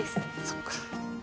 そっか。